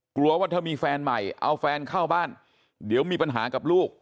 กลัวว่าถ้ามีแฟนใหม่เอาแฟนเข้าบ้านเดี๋ยวมีปัญหากับลูก